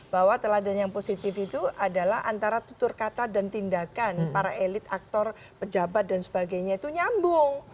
bahwa teladan yang positif itu adalah antara tutur kata dan tindakan para elit aktor pejabat dan sebagainya itu nyambung